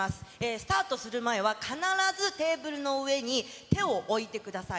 スタートする前は、必ずテーブルの上に手を置いてください。